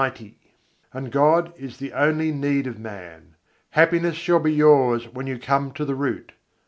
] and God is the only need of man "happiness shall be yours when you come to the Root."